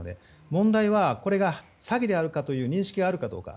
問題はこれが詐欺であるという認識があるかどうか。